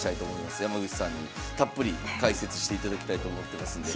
山口さんにたっぷり解説していただきたいと思ってますんで。